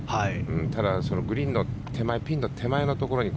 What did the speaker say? ただ、グリーンの手前ピンの手前のところに